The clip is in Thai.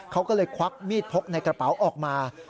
เขาก็เลยควักมีดพกในกระเป๋าออกมา